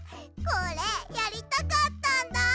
これやりたかったんだ！